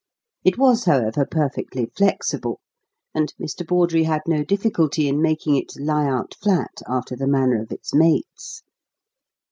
It was, however, perfectly flexible, and Mr. Bawdrey had no difficulty in making it lie out flat after the manner of its mates.